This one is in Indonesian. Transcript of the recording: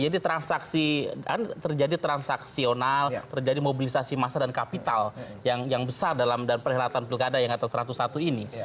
jadi transaksi kan terjadi transaksional terjadi mobilisasi massa dan kapital yang besar dalam perhelatan pilkada yang ada satu ratus satu ini